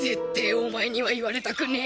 お前には言われたくねえ。